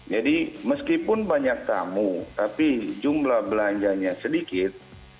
jadi meskipun banyak tamu tapi jumlah belanjanya sedikit